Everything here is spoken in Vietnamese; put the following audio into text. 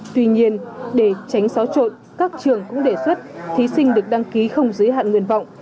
tuy nhiên để tránh xáo trộn các trường cũng đề xuất thí sinh được đăng ký không giới hạn nguyện vọng